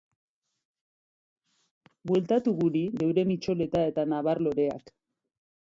Bueltatu guri geure mitxoleta eta nabar-loreak?